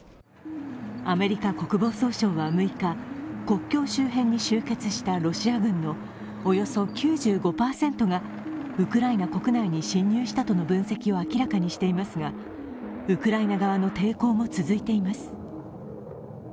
アメリカ国防総省は６日国境周辺に集結したロシア軍におよそ９５％がウクライナ国内に侵入したとの分析を明らかにしていますがウクライナ側の抵抗も続いています。